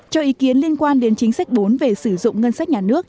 cho ý kiến liên quan đến chính sách bốn về sử dụng ngân sách nhà nước